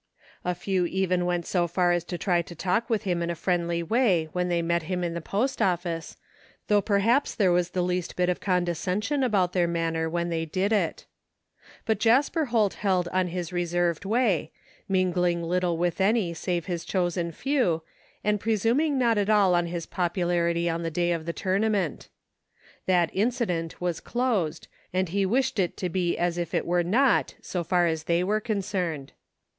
A few even went so far as to try to talk with him in a friendly way when they met him in the post office, though perhaps there was the least bit of condescension about their manner when they did it But Jasper Holt held on his reserved way, mingling little with any save his diosen few, and pre suming not at all on his popularity on the day of the tournament. That incident was closed and he wished it to be as if it were not so far as they were concerned.